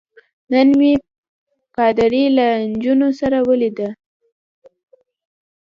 نن مې پادري له نجونو سره ولید.